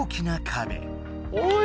おい。